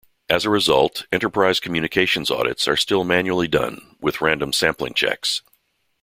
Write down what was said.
As a result, enterprise communications audits are still manually done, with random sampling checks.